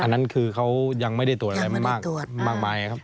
อันนั้นคือเขายังไม่ได้ตรวจอะไรมากตรวจมากมายครับ